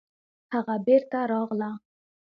هغه بېرته راغله